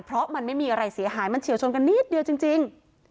เพราะมันไม่มีอะไรเสียหายมันเฉียวชนกันนิดเดียวจริง